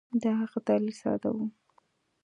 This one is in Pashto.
د هغه دلیل ساده وو.